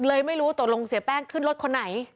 เลยไม่รู้ว่าตัวลงเสียแป้งขึ้นรถคนไหน